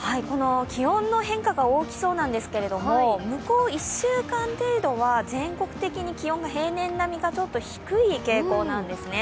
気温の変化が大きそうなんですけれども、向こう１週間程度は全国的に気温が平年並みかちょっと低い傾向なんですね。